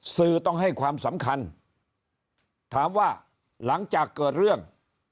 สื่อต้องให้ความสำคัญถามว่าหลังจากเกิดเรื่อง